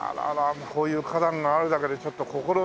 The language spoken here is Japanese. もうこういう花壇があるだけでちょっと心ね